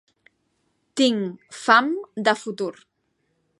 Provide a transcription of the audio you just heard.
Tinc fam de futur.